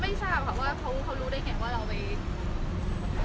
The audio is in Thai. ไม่มีการติดต่ออ่ะค่ะเราโทรค่ะคุณพ่อเด็กค่ะเขาก็ไม่รับ